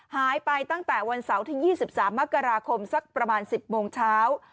หายไปตั้งแต่วันเสาร์ที่๒๓มกราคมสักประมาณ๑๐โมงเช้า